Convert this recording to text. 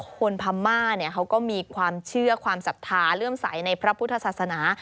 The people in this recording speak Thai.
พม่าเขาก็มีความเชื่อความศรัทธาเลื่อมใสในพระพุทธศาสนา